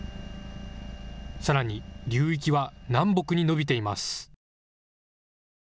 さらに流域は南北に延びています。